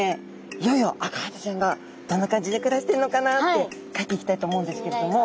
いよいよアカハタちゃんがどんな感じで暮らしているのかなって描いていきたいと思うんですけれども。